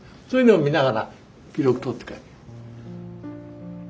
そういうのを見ながら記録とっていく。